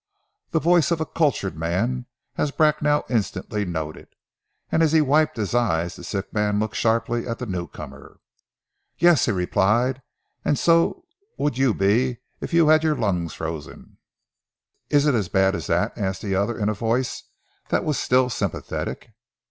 The voice of a cultured man, as Bracknell instantly noted, and as he wiped his eyes the sick man looked sharply at the new comer. "Yes," he replied, "and so would you be if you'd had your lungs frozen." "Is it as bad as that?" asked the other in a voice that was still sympathetic.